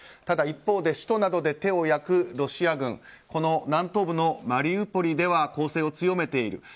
ただ、一方で首都などで手を焼くロシア軍南東部のマリウポリでは攻勢を強めている。